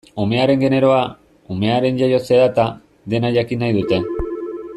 Umearen generoa, umearen jaiotze data, dena jakin nahi dute.